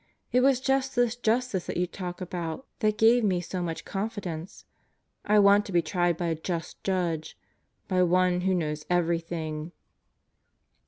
It was just this Justice that you talk about that gave me so much confidence. I want to be tried by a Just Judge by One who knows everything."